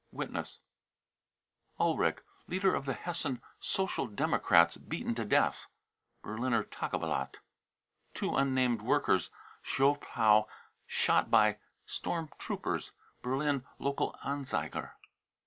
(Witness.) ullrich, ® LIST OF MURDERS 343 leader of the Hessen Social Democrats, beaten to death. (Berliner Tageblatt.) two unnamed workers, Zschopau, shot by storm troopers. (Berlin Lokal Anzeiger.)